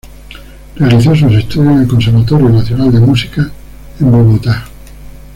Realizó sus estudios en el Conservatorio Nacional de Música en Bogotá.